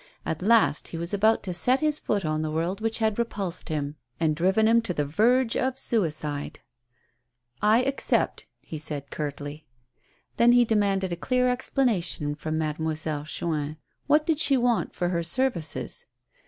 At last he was about to set his foot on the world which had repulsed him, and driven him to the verge of suicide ! ''I accept 1" he said, curtly. Then he demanded a clear explanation from Made moiselle Chuin. What did she want for her services?